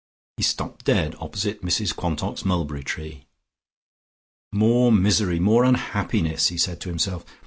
He stopped dead opposite Mrs Quantock's mulberry tree. "More misery! More unhappiness!" he said to himself.